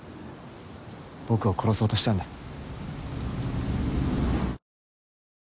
僕を殺そうとしたんだよ。